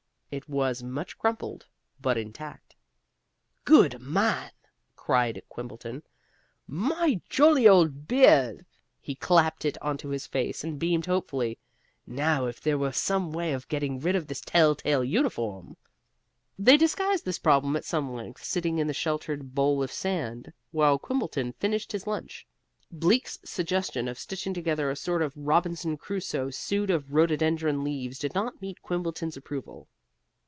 It was much crumpled, but intact. "Good man!" cried Quimbleton. "My jolly old beard!" He clapped it onto his face and beamed hopefully. "Now, if there were some way of getting rid of this tell tale uniform " They discussed this problem at some length, sitting in the sheltered bowl of sand, while Quimbleton finished his lunch. Bleak's suggestion of stitching together a sort of Robinson Crusoe suit of rhododendron leaves did not meet Quimbleton's approval.